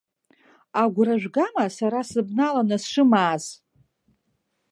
Агәра жәгама, сара сыбналаны сшымааз?!